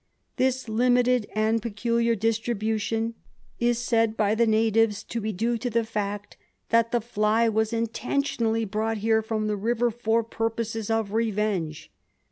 "This limited and peculiar distribution is said by the natives to be due to the fact that the fly was intentionally brought here from the river for purposes of revenge